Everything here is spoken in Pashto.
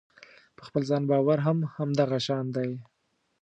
په خپل ځان باور هم همدغه شان دی.